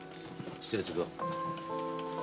失礼するよ。